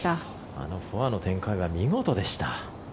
あのフォアの展開は見事でした。